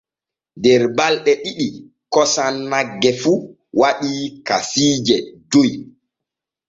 Der balɗe ɗiɗi kosam nagge fu waɗii kasiije joy.